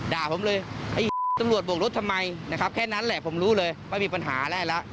ด่าผมเลยตำรวจโบกรถทำไมนะครับแค่นั้นแหละผมรู้เลยว่ามีปัญหาอะไรแล้ว